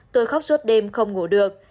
tôi khóc suốt đêm không ngủ được